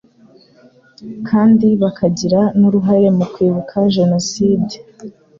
kandi bakagira n uruhare mu Kwibuka Jenoside